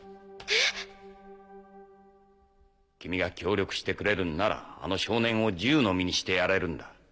えっ⁉君が協力してくれるんならあの少年を自由の身にしてやれるんだ。